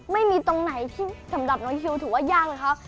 ไม่มีตรงไหนที่สำหรับน้องคิวถือว่ายังคะ